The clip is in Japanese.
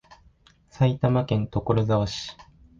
埼玉県所沢市